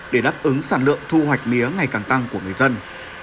để đáp ứng sản lượng thu hoạch mía ngày càng tăng của người dân